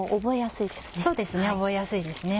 そうですね覚えやすいですね。